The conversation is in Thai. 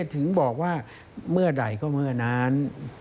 ถึงบอกว่าเมื่อใดก็เมื่อนั้น